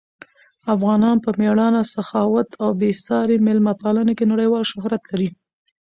افغانان په مېړانه، سخاوت او بې ساري مېلمه پالنه کې نړیوال شهرت لري.